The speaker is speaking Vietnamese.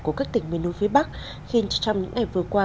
của các tỉnh miền núi phía bắc khiến trong những ngày vừa qua